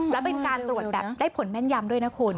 แล้วเป็นการตรวจแบบได้ผลแม่นยำด้วยนะคุณ